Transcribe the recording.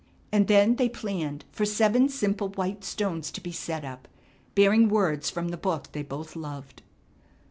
And then they planned for seven simple white stones to be set up, bearing words from the book they both loved.